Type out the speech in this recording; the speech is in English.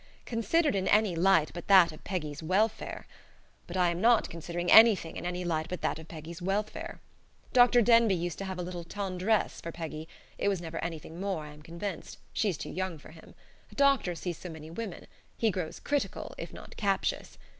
Considered in any light but that of Peggy's welfare But I am not considering anything in any light but that of Peggy's welfare. Dr. Denbigh used to have a little tendresse for Peggy it was never anything more, I am convinced. She is too young for him. A doctor sees so many women; he grows critical, if not captious.